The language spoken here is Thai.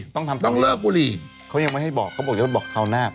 ต้องทำต้องเลิกบุหรี่เขายังไม่ให้บอกเขาบอกจะไปบอกคราวหน้า